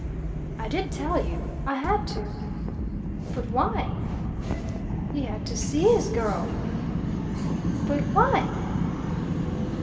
"I did tell you. I had to." "But why?" "He had to see his girl." "But why?"